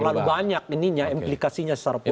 tidak terlalu banyak ini implikasinya secara politik